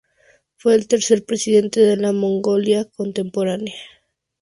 Fue el tercer presidente de la Mongolia contemporánea.